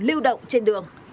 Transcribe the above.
lưu động trên đường